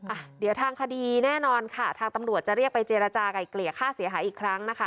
อ่ะเดี๋ยวทางคดีแน่นอนค่ะทางตำรวจจะเรียกไปเจรจาก่ายเกลี่ยค่าเสียหายอีกครั้งนะคะ